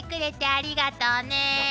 ありがとうね。